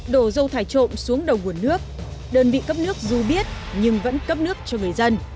đồ dâu thải trộm xuống đầu nguồn nước đơn vị cấp nước dù biết nhưng vẫn cấp nước cho người dân